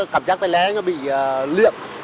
cảm giác tay lén nó bị lượn